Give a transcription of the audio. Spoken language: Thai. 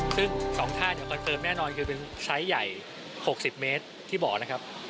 ซึ่ง๒ท่าเดี๋ยวคอนเฟิร์มแน่นอนคือเป็นไซส์ใหญ่๖๐เมตรที่บอกนะครับ